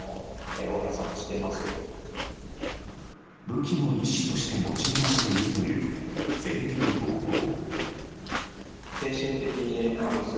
武器の一種として用いられているという性的暴行。